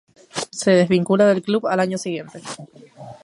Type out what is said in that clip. Se desvincula del club al año siguiente.